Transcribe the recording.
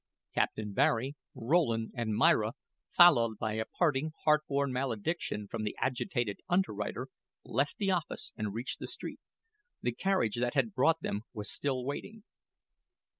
Captain Barry, Rowland, and Myra, followed by a parting, heart borne malediction from the agitated underwriter, left the office and reached the street. The carriage that had brought them was still waiting.